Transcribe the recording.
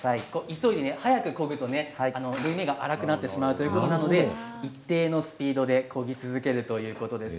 急いで速くこぐと縫い目が粗くなってしまうということなので一定のスピードでこぎ続けるということです。